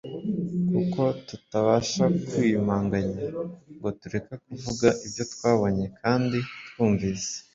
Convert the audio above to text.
kuko tutabasha kwiyumanganya ngo tureke kuvuga ibyo twabonye kandi twumvise.”